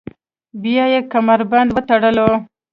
بیا یې کمربند وتړلو.